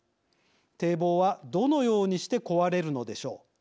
堤防はどのようにして壊れるのでしょう。